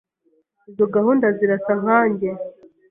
Izo gahunda zirasa nkanjye.